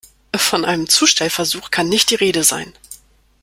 Von einem Zustellversuch kann nicht die Rede sein.